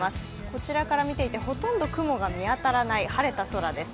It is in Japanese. こちらから見ていてほとんど雲が見当たらない晴れた空です。